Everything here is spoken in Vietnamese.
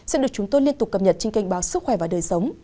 sẽ được chúng tôi liên tục cập nhật trên kênh báo sức khỏe và đời sống